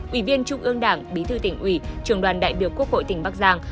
ủy viên trung ương đảng bí thư tỉnh ủy trường đoàn đại biểu quốc hội tỉnh bắc giang